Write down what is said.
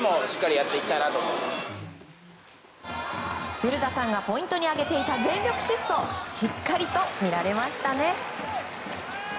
古田さんがポイントに挙げていた全力疾走しっかりと見られましたね。